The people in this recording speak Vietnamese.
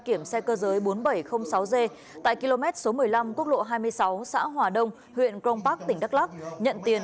kiểm xe cơ giới bốn nghìn bảy trăm linh sáu g tại km số một mươi năm quốc lộ hai mươi sáu xã hòa đông huyện cron park tỉnh đắk lắc nhận tiền